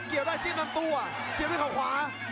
เกี่ยวได้จิ้นลำตัวเสียบด้วยเขาขวา